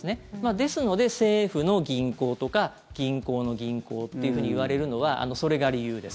ですので、政府の銀行とか銀行の銀行っていうふうにいわれるのはそれが理由です。